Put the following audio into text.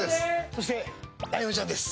そして、ライオンちゃんです。